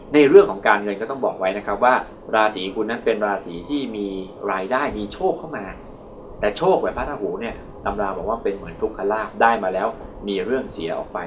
ในเรื่องของการเงินก็ต้องบอกไว้นะครับว่าราศีคุณนั้นเป็นราศีที่มีรายได้มีโชคเข้ามาแต่โชคแบบพระราหูเนี่ยตำราบอกว่าเป็นเหมือนทุกขลาบได้มาแล้วมีเรื่องเสียออกไป